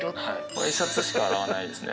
Ｙシャツしか洗わないですね